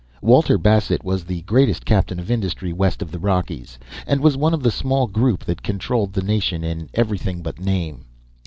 Walter Bassett was the greatest captain of industry west of the Rockies, and was one of the small group that controlled the nation in everything but name.